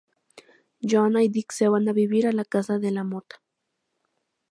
Joanna y Dick se van a vivir a la Casa de la Mota.